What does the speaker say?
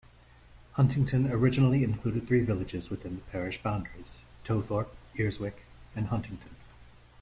Huntington originally included three villages within the parish boundaries: Towthorpe, Earswick and Huntington.